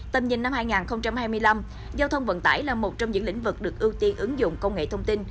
tầm nhìn năm hai nghìn hai mươi năm giao thông vận tải là một trong những lĩnh vực được ưu tiên ứng dụng công nghệ thông tin